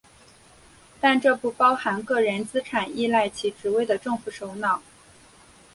但这不包含个人资产依赖其职位的政府首脑。